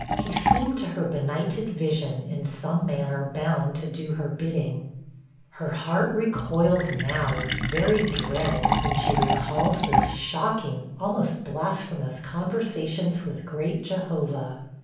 He seemed to her benighted vision in some manner bound to do her bidding. Her heart recoils now, with very dread, when she recalls those shocking, almost blasphemous conversations with great Jehovah.